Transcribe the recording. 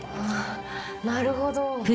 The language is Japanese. あなるほど。